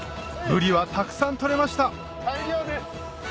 ブリはたくさん取れました